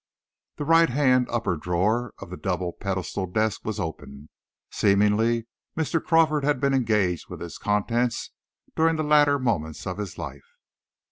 The right hand upper drawer of the double pedestalled desk was open. Seemingly, Mr. Crawford had been engaged with its contents during the latter moments of his life.